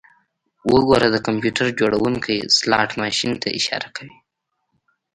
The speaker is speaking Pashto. وګوره د کمپیوټر جوړونکي سلاټ ماشین ته اشاره وکړه